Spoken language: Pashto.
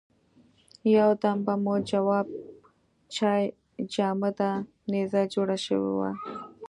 یو دم به مو جواب چای جامده نيزه جوړه شوه.